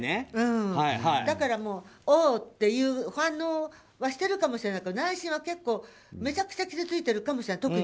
だから、おうっていう反応はしてるかもしれないけど内心は結構、めちゃくちゃ傷ついているかもしれない。